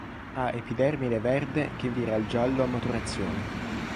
Ha epidermide verde che vira al giallo a maturazione.